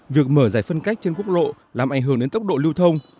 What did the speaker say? việc mở giải phân cách trên quốc lộ làm ảnh hưởng đến tốc độ lưu thông